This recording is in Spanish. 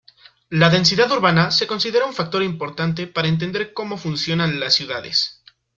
La densidad urbana se considera un factor importante para entender cómo funcionan las ciudades.